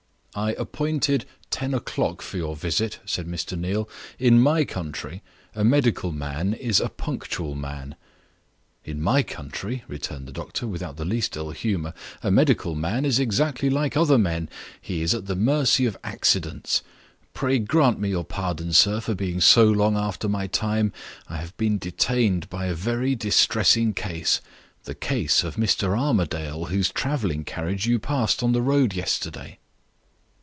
"I appointed ten o'clock for your visit," said Mr. Neal. "In my country, a medical man is a punctual man." "In my country," returned the doctor, without the least ill humor, "a medical man is exactly like other men he is at the mercy of accidents. Pray grant me your pardon, sir, for being so long after my time; I have been detained by a very distressing case the case of Mr. Armadale, whose traveling carriage you passed on the road yesterday."